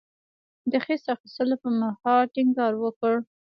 د خصت اخیستلو پر مهال ټینګار وکړ.